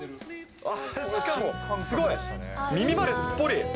しかも、すごい、耳まですっぽり。